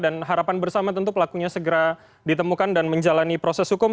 dan harapan bersama tentu pelakunya segera ditemukan dan menjalani proses hukum